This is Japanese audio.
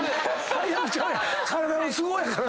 最悪ちゃうやん体の都合やから。